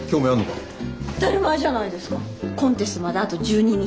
コンテストまであと１２日。